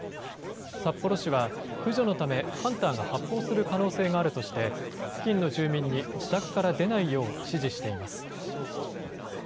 札幌市は駆除のためハンターが発砲する可能性があるとして付近の住民に自宅から出ないよう指示しています。